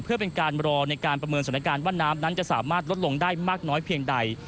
เพื่อเป็นการรอในการประเมินสถานการณ์ว่าน้ำนั้นจะสามารถลดลงได้มากน้อยเพียงใด